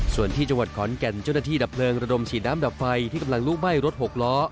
ส่วนที่จังหวัดขอนแก่นเจ้าหน้าที่ดับเพลิงระดมฉีดน้ำดับไฟที่กำลังลุกไหม้รถหกล้อ